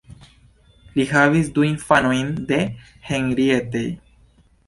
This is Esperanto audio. Li havis du infanojn de Henriette.